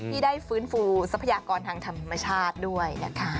ที่ได้ฟื้นฟูทรัพยากรทางธรรมชาติด้วยนะคะ